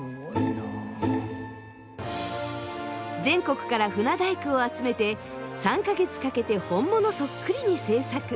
全国から船大工を集めて３か月かけて本物そっくりに製作。